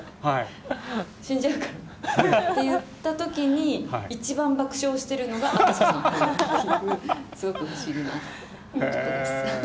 死んじゃうからって言ったときに、一番爆笑してるのが赤楚さんという、すごく不思議な方です。